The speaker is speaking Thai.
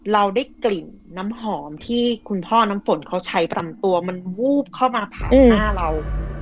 เราได้กลิ่นน้ำหอมที่คุณพ่อน้ำฝนเขาใช้ตามตัวมันวูบเข้ามาผ่านหน้าเรา